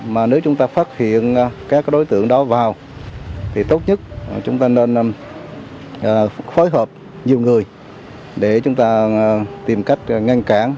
mà nếu chúng ta phát hiện các đối tượng đó vào thì tốt nhất chúng ta nên phối hợp nhiều người để chúng ta tìm cách ngăn cản